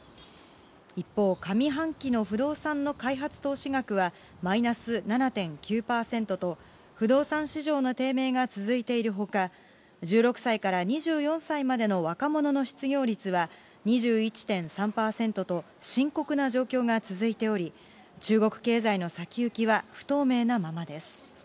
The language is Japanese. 一方、上半期の不動産の開発投資額はマイナス７．９％と、不動産市場の低迷が続いているほか、１６歳から２４歳までの若者の失業率は２１．３％と深刻な状況が続いており、中国経済の先行きは不透明なままです。